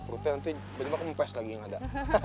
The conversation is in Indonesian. rute nanti banyak banget kempes lagi yang ada